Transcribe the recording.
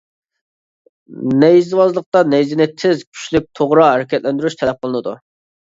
نەيزىۋازلىقتا نەيزىنى تېز، كۈچلۈك، توغرا ھەرىكەتلەندۈرۈش تەلەپ قىلىنىدۇ.